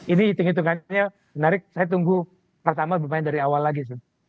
ini hitung hitungannya menarik saya tunggu pertama bermain dari awal lagi sih